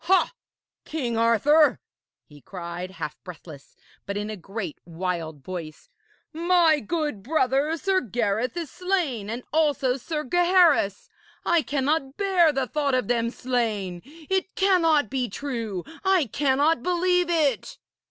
'Ha! King Arthur!' he cried, half breathless, but in a great wild voice, 'my good brother, Sir Gareth, is slain, and also Sir Gaheris! I cannot bear the thought of them slain. It cannot be true! I cannot believe it!'